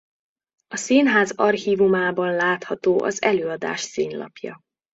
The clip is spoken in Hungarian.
A színház archívumában látható az előadás színlapja.